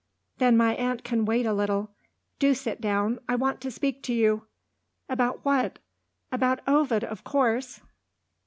"Then my aunt can wait a little. Do sit down! I want to speak to you." "About what?" "About Ovid, of course!"